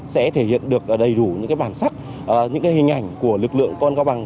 sẽ thể hiện được đầy đủ những bản sắc những hình ảnh của lực lượng công an có bằng